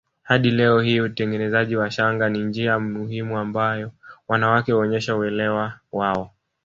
Hadi leo hii utengenezaji wa shanga ni njia muhimu ambayo wanawake huonyesha uelewa wao